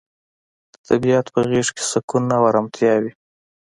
د طبیعت په غیږ کې سکون او ارامتیا وي.